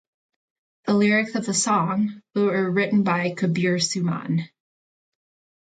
The lyrics of the song was written by Kabir Suman.